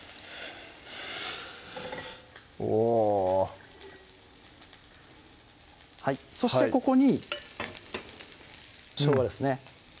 おぉはいそしてここにしょうがですね